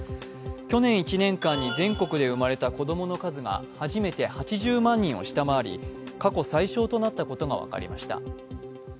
去年１年間に全国で生まれた子供の数が初めて８０万人を下回り過去最少となったことが分かりました。